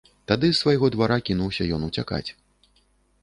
Тады з свайго двара кінуўся ён уцякаць.